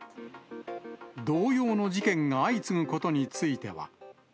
同様の事件が相次ぐことについては。